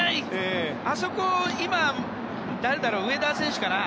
あそこ、今誰だろう、上田選手かな。